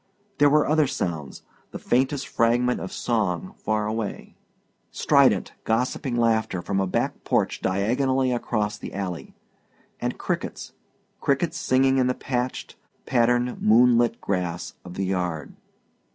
There were other sounds; the faintest fragment of song far away; strident, gossiping laughter from a back porch diagonally across the alley; and crickets, crickets singing in the patched, patterned, moonlit grass of the yard.